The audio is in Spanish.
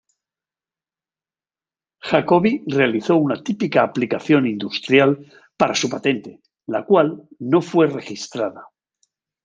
Jacobi realizó una típica aplicación industrial para su patente, la cual no fue registrada.